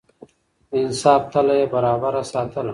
د انصاف تله يې برابره ساتله.